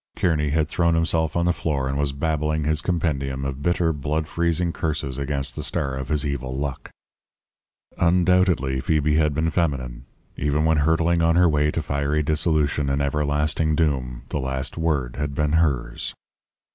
Kearny had thrown himself on the floor and was babbling his compendium of bitter, blood freezing curses against the star of his evil luck. "Undoubtedly Phoebe had been feminine. Even when hurtling on her way to fiery dissolution and everlasting doom, the last word had been hers."